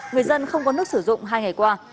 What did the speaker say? người dân không có nước sử dụng hai ngày qua